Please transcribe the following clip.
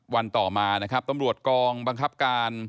วันต่อมานะครับตำรวจกองบังคับการ